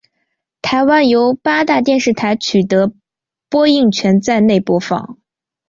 台湾由八大电视台取得播映权在内播放。